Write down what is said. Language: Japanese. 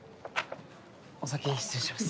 お先に失礼します。